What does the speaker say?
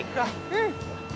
うん。